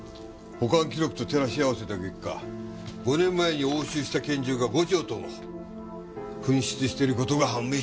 保管記録と照らし合わせた結果５年前に押収した拳銃が５丁とも紛失している事が判明したそうだ。